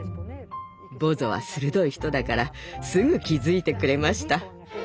ボゾは鋭い人だからすぐ気付いてくれました。